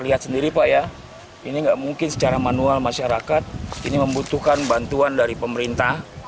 lihat sendiri pak ya ini nggak mungkin secara manual masyarakat ini membutuhkan bantuan dari pemerintah